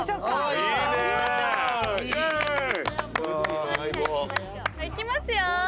いきますよ